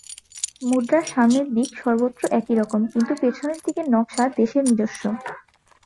মুদ্রার সামনের দিক সর্বত্র একই রকম, কিন্তু পেছনের দিকের নকশা দেশের নিজস্ব।